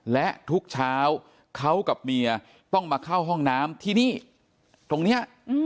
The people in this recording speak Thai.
และทุกเช้าเขากับเมียต้องมาเข้าห้องน้ำที่นี่ตรงนี้